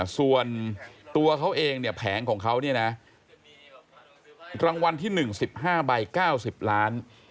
ส่วนตัวเขาเองเนี่ยแผงของเขาเนี่ยนะรางวัลที่๑๑๕ใบ๙๐ล้าน